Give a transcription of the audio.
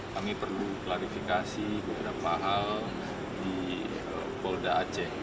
kami perlu klarifikasi beberapa hal di polda aceh